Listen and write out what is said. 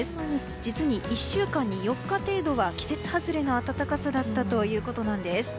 実に１週間に４日程度は季節外れの暖かさだったということなんです。